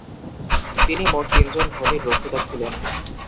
তিনি মোট তিনজন ধনীর রক্ষিতা ছিলেন।